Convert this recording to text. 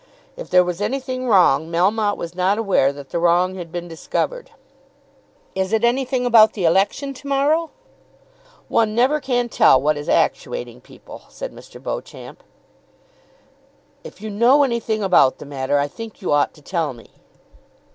If there was anything wrong, Melmotte was not aware that the wrong had been discovered. "Is it anything about the election to morrow?" "One never can tell what is actuating people," said Mr. Beauclerk. "If you know anything about the matter I think you ought to tell me."